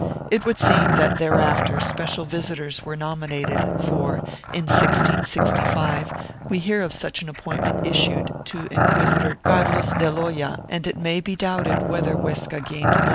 It would seem that thereafter special visitors were nominated for, in 1665, we hear of such an appointment issued to Inquisitor Carlos del Hoya and it may be doubted whether Huesca gained much.